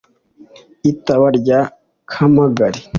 i taba rya kamagari